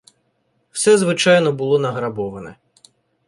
Все, звичайно, було награбоване.